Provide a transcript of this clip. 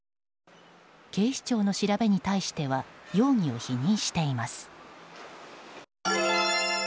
警視庁の調べに対しては容疑を否認しています。